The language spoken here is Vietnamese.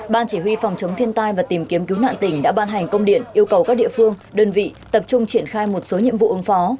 ban chỉ huy phòng chống thiên tai và tìm kiếm cứu nạn tỉnh đã ban hành công điện yêu cầu các địa phương đơn vị tập trung triển khai một số nhiệm vụ ứng phó